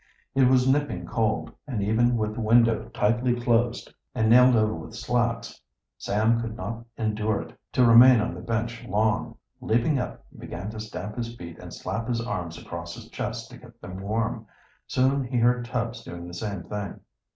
It was nipping cold, and, even with the window tightly closed and nailed over with slats, Sam could not endure it to remain on the bench long. Leaping up he began to stamp his feet and slap his arms across his chest to get them warm. Soon he heard Tubbs doing the same thing.